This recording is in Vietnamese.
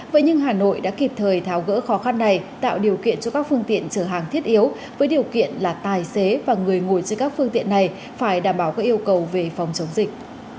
vậy nhưng hà nội đã kịp thời tháo gỡ khó khăn này tạo điều kiện cho các phương tiện chở hàng thiết yếu với điều kiện là tài xế và người ngồi trên các phương tiện này phải đảm bảo các yêu cầu về phòng chống dịch